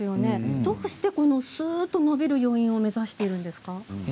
どうしてすうっと伸びる余韻を目指しているんですか。